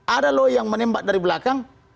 ada loh yang menembak dari belakang